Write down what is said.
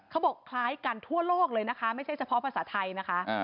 เขาบอกคล้ายกันทั่วโลกเลยนะคะไม่ใช่เฉพาะภาษาไทยนะคะ